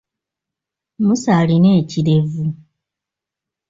Musa alina ekirevu.